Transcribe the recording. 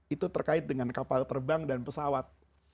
itu terkait dengan kapal terbang dan pesawat